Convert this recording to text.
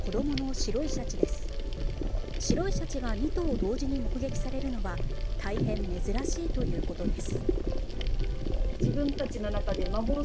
白いシャチが２頭同時に目撃されるのは大変珍しいということです。